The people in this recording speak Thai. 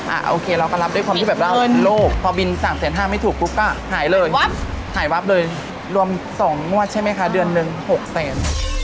อ่ะโอเคเราก็รับด้วยความที่แบบโลกพอบิน๓๕๐๐บาทไม่ถูกปุ๊บก็หายเลยหายวับหายวับเลยรวม๒งวดใช่ไหมคะเดือนนึง๖แสน